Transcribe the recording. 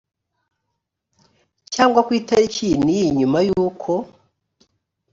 cyangwa ku itariki iyi n iyi nyuma yuko